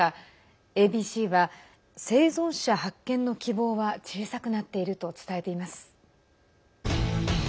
ＡＢＣは、生存者発見の希望は小さくなっていると伝えています。